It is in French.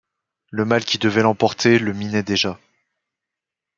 Le mal qui devait l'emporter le minait déjà.